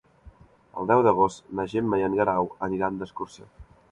El deu d'agost na Gemma i en Guerau aniran d'excursió.